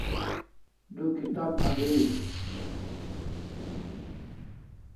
Du kibat agris